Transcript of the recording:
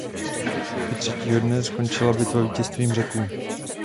I třetího dne skončila bitva vítězstvím Řeků.